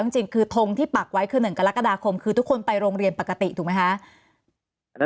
จริงคือทงที่ปักไว้คือ๑กรกฎาคมคือทุกคนไปโรงเรียนปกติถูกไหมคะ